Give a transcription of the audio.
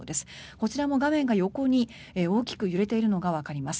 こちらも画面が横に大きく揺れているのがわかります。